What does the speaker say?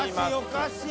おかしい